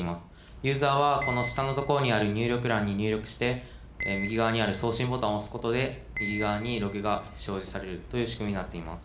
ユーザーはこの下のところにある入力欄に入力して右側にある送信ボタンを押すことで右側にログが表示されるというしくみになっています。